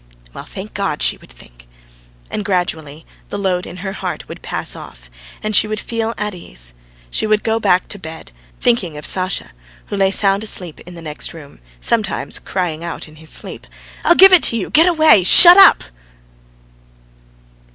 "Well, thank God!" she would think. And gradually the load in her heart would pass off, and she would feel at ease. She would go back to bed thinking of Sasha, who lay sound asleep in the next room, sometimes crying out in his sleep: "I'll give it you! Get away! Shut up!"